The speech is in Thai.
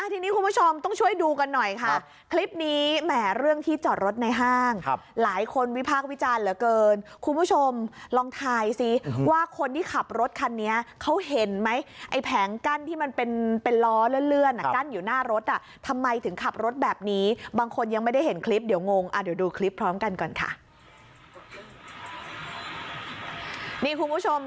ทีนี้คุณผู้ชมต้องช่วยดูกันหน่อยค่ะคลิปนี้แหมเรื่องที่จอดรถในห้างหลายคนวิพากษ์วิจารณ์เหลือเกินคุณผู้ชมลองทายสิว่าคนที่ขับรถคันนี้เขาเห็นไหมไอ้แผงกั้นที่มันเป็นล้อเลื่อนกั้นอยู่หน้ารถอ่ะทำไมถึงขับรถแบบนี้บางคนยังไม่ได้เห็นคลิปเดี๋ยวงงอ่ะเดี๋ยวดูคลิปพร้อมกันก่อนค่ะ